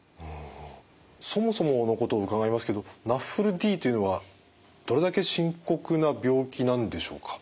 そもそものことを伺いますけどＮＡＦＬＤというのはどれだけ深刻な病気なんでしょうか？